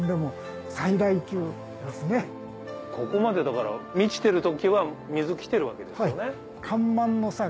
ここまで満ちてる時は水来てるわけですよね。